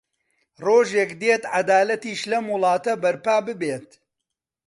ڕۆژێک دێت عەدالەتیش لەم وڵاتە بەرپا ببێت.